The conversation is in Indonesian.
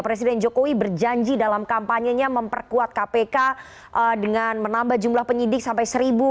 presiden jokowi berjanji dalam kampanyenya memperkuat kpk dengan menambah jumlah penyidik sampai seribu